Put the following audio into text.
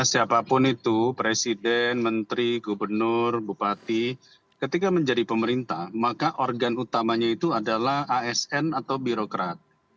siapapun itu presiden menteri gubernur bupati ketika menjadi pemerintah maka organ utamanya itu adalah asn atau birokrat